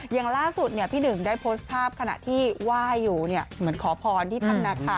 อย่างล่าสุดเนี่ยพี่หนึ่งได้โพสต์ภาพขณะที่ว่าอยู่เนี่ยเหมือนขอพรที่ทำนักค่ะ